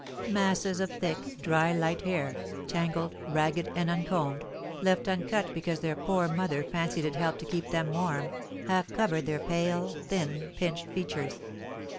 Masses of thick, dry, light hair, tangled, ragged, and uncombed, left uncut because their poor mother fancied it helped to keep them warm, half covered their pale, thin, pinched features.